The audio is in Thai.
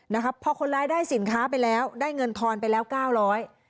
นะครับพอคนร้ายได้สินค้าไปแล้วได้เงินทอนไปแล้วเก้าร้อย